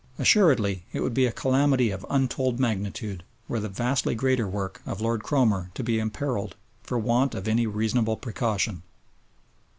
Assuredly it would be a calamity of untold magnitude were the vastly greater work of Lord Cromer to be imperilled for want of any reasonable precaution!